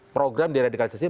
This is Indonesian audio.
program di radikalisasi